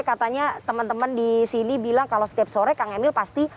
katanya teman teman di sini bilang kalau setiap sore kang emil pasti